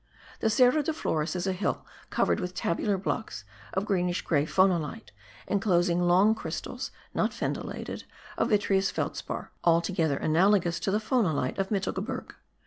The Cerro de Flores is a hill covered with tabulary blocks of greenish grey phonolite, enclosing long crystals (not fendillated) of vitreous felspar, altogether analogous to the phonolite of Mittelgebirge.